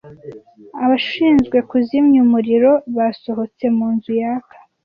Abashinzwe kuzimya umuriro basohotse mu nzu yaka.